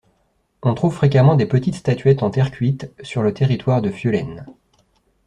On trouve fréquemment des petites statuettes en terre cuite sur le territoire de Fieulaine.